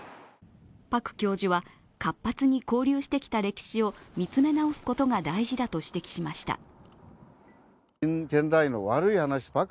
パク教授は、活発に交流してきた歴史を見つめ直すことが大事だと指摘しました。